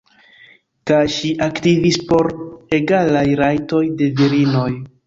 Kaj ŝi aktivis por egalaj rajtoj de virinoj.